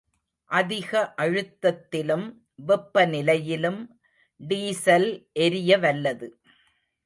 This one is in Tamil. அதிக அழுத்தத் திலும் வெப்பநிலையிலும் டீசல் எரிய வல்லது.